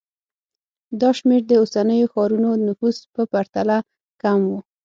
دا شمېر د اوسنیو ښارونو نفوس په پرتله کم و